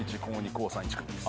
高３１組です。